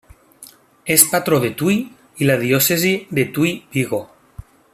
És patró de Tui i la diòcesi de Tui-Vigo.